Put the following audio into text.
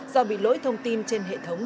do bị lỗi thông tin trên hệ thống